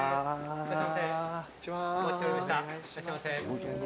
いらっしゃいませ。